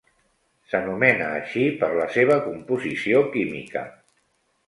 S'anomena així per la seva composició química.